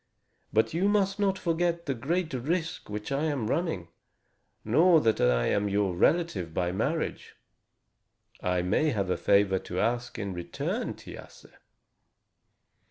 But you must not forget the great risk which I am running, nor that I am your relative by marriage. I may have a favor to ask in return, Thiasse."